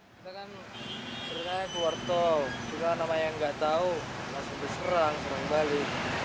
kita kan seringkai keluar tol juga nama yang gak tau langsung diserang serang balik